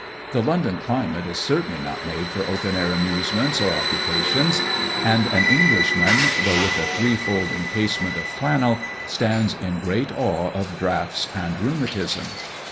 The London climate is certainly not made for open air amusements or occupations; and an Englishman, though with a threefold encasement of flannel, stands in great awe of draughts and rheumatism.